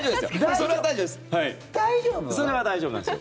それは大丈夫なんです。